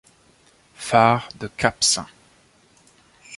Phare de Cape St.